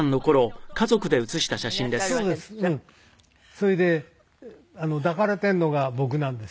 それで抱かれているのが僕なんです。